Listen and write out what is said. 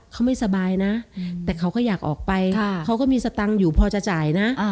เขาไม่สบายนะแต่เขาก็อยากออกไปเขาก็มีสตังค์อยู่พอจะจ่ายนะ